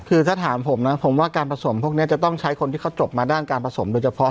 คือถ้าถามผมนะผมว่าการผสมพวกนี้จะต้องใช้คนที่เขาจบมาด้านการผสมโดยเฉพาะ